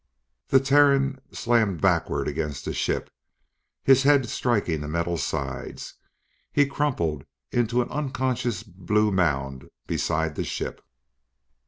The Terran slammed backwards against the ship, his head striking the metal sides. He crumpled into an unconscious blue mound beside the ship.